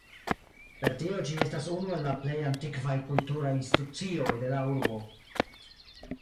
Per tio ĝi estas unu el la plej antikvaj kulturaj institucioj de la urbo.